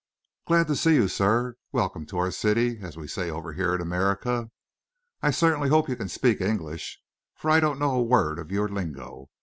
"Glad to see you, sir. Welcome to our city, as we say over here in America. I certainly hope you can speak English, for I don't know a word of your lingo.